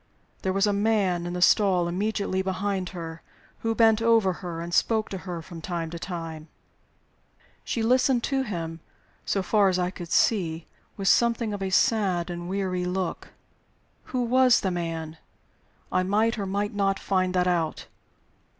There was a man in the stall immediately behind her, who bent over her and spoke to her from time to time. She listened to him, so far as I could see, with something of a sad and weary look. Who was the man? I might, or might not, find that out.